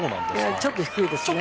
ちょっと低いですね。